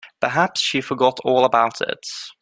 Perhaps she forgot all about it.